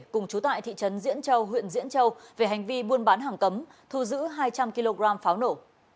cùng chú tại thị trấn diễn châu huyện diễn châu về hành vi buôn bán hàng cấm thu giữ hai trăm linh kg pháo nổ